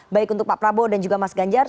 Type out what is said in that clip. baik untuk pak prabowo dan juga mas ganjar